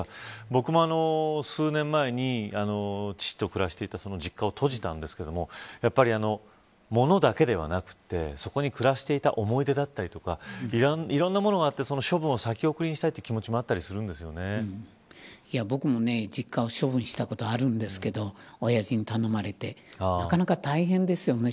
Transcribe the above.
僕も数年前に、父と暮らしていた実家を閉じたんですがやっぱり、物だけではなくてそこに暮らしていた思い出だったりとかいろんなものがあって処分を先送りにしたい気持ちも僕も実家を処分したことがあるんですけど親父に頼まれてなかなか大変ですよね